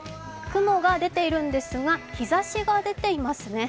雲が出ているんですが日ざしが出ていますね。